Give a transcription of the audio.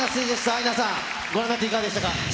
アイナさん、ご覧になって、いかがでしたか。